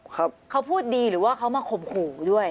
เขาพูดดีหรือว่าเขามาข่มขู่ด้วย